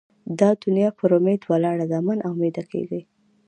دا دونیا پر اُمید ولاړه ده؛ مه نااميده کېږئ!